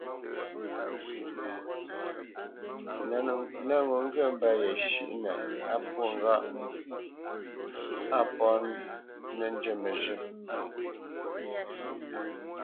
Nə̂t ŋo ŋgyə mbə́ shʉ́ʼnə á pwô ŋgâʼ á mbomə̄ nə́ njə məzhə̂.